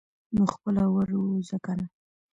نو خپله ور ووځه کنه.